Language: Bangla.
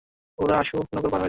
ওরা অশোক নগর পার হয়েছে।